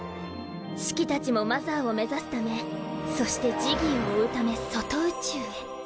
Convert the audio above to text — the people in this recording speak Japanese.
シキたちもマザーを目指すためそしてジギーを追うため外宇宙へ。